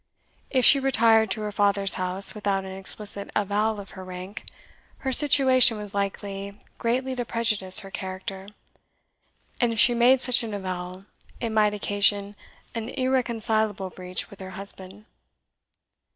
If she retired to her father's house without an explicit avowal of her rank, her situation was likely greatly to prejudice her character; and if she made such an avowal, it might occasion an irreconcilable breach with her husband.